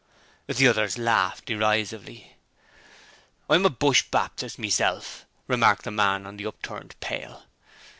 The others laughed derisively. 'I'm a Bush Baptist meself,' remarked the man on the upturned pail.